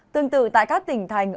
tương tự tại các tỉnh thành